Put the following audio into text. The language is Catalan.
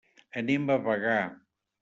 Anem a Bagà.